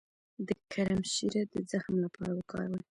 د کرم شیره د زخم لپاره وکاروئ